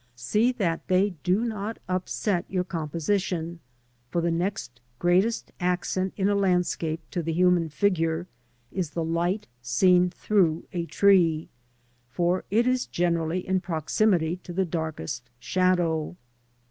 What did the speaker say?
See that they do not upset your composition, for the next greatest accent in a landscape to the human figure is the light seen through a tree, for it is generally in proximity to the darkest shadow.